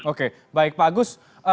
oke baik pak agus